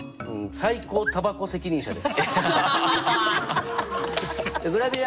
最高タバコ責任者です。